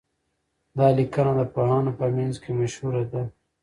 دا لیکنه د پوهانو په منځ کي مشهوره ده.